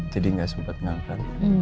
jadi gak sempet ngangkat